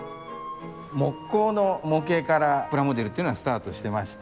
木工の模型からプラモデルっていうのはスタートしてまして。